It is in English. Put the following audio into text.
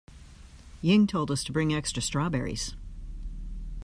Ying told us to bring extra strawberries.